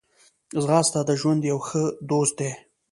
ځغاسته د ژوند یو ښه دوست دی